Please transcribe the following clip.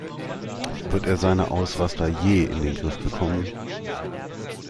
Wird er seine Ausraster je in den Griff bekommen?